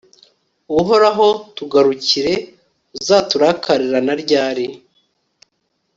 uhoraho, tugarukire! uzaturakarira na ryari